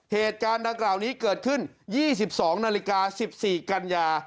เหตุการณ์ดังกล่าวนี้เกิดขึ้น๒๒นาฬิกา๑๔กันยา